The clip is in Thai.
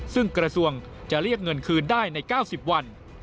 ซึ่งกระทรวงจะเรียกเงินคืนได้ใน๙๐วัน